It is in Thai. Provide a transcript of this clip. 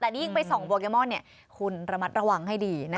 แต่นี่ยิ่งไปส่องโปเคมอลเนี่ยคุณระมัดระวังให้ดีนะคะ